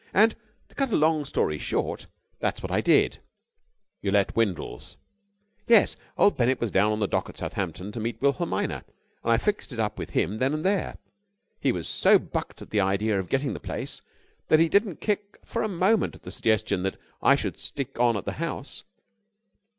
And, to cut a long story short, that's what I did." "You let Windles?" "Yes. Old Bennett was down on the dock at Southampton to meet Wilhelmina, and I fixed it up with him then and there. He was so bucked at the idea of getting the place that he didn't kick for a moment at the suggestion that I should stick on at the house.